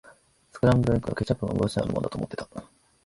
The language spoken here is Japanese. スクランブルエッグは、ケチャップがまぶしてあるもんだと思ってた。